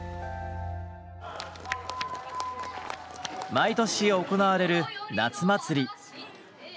毎年行われる夏祭り。